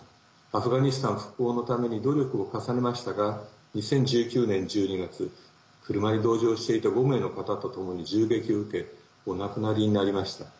アフガニスタン復興のために努力を重ねましたが２０１９年１２月車に同乗していた５名の方とともに銃撃を受けお亡くなりになりました。